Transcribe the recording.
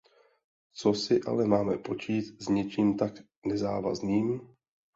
Co si ale máme počít s něčím tak nezávazným?